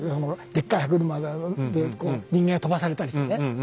でっかい歯車で人間が飛ばされたりしてね。